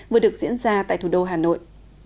vừa được diễn ra tại thủ đô hà nội